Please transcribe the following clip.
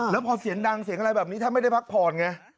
แล้วพอเสียงดังเสียงอะไรแบบนี้ท่านไม่ได้พักผ่อนไง